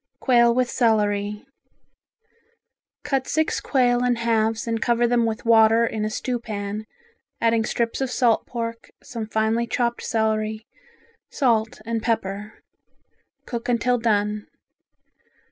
Quail with Celery Cut six quail in halves and cover them with water in a stewpan, adding strips of salt pork, some finely chopped celery, salt and pepper. Cook until done.